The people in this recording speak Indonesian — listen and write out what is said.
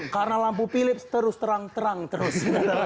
karena lampu philips terus terang terang terus